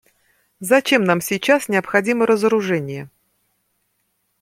Зачем нам сейчас необходимо разоружение?